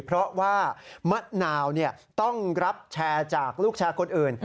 เพราะว่ามะนาวต้องรับแชร์จากลูกแชร์คนอื่น